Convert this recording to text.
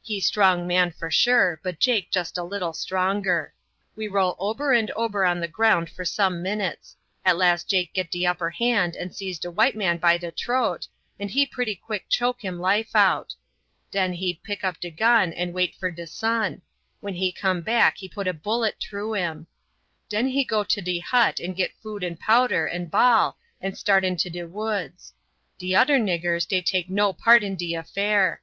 He strong man for sure, but Jake jest a little stronger. We roll ober and ober on de ground for some minutes; at last Jake git de upper hand and seize de white man by de t'roat, and he pretty quick choke him life out. Den he pick up de gun and wait for de son; when he come back he put a bullet t'rough him. Den he go to de hut and git food and powder and ball and start into de woods. De oder niggers dey take no part in de affair.